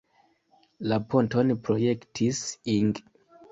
La ponton projektis Ing.